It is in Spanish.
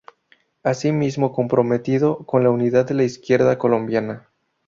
Así mismo, comprometido con la unidad de la izquierda colombiana.